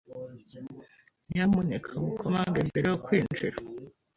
Nyamuneka mukomange mbere yo kwinjira.